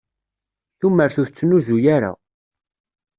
Tumert ur tettnuzu ara.